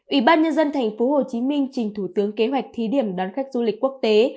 ủy ban nhân dân thành phố hồ chí minh trình thủ tướng kế hoạch thí điểm đón khách du lịch quốc tế